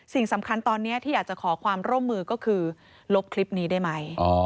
สิ่งสำคัญตอนนี้ที่อยากจะขอความร่วมมือก็คือลบคลิปนี้ได้ไหม